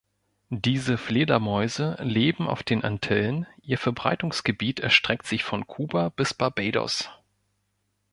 Diese Fledermäuse leben auf den Antillen, ihr Verbreitungsgebiet erstreckt sich von Kuba bis Barbados.